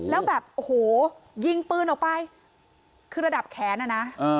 แล้วแบบโอ้โหยิงปืนออกไปคือระดับแขนอ่ะนะ